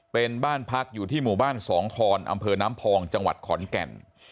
เป็นบ้านพักอยู่ที่หมู่บ้านสองคอนอำเภอน้ำพองจังหวัดขอนแก่น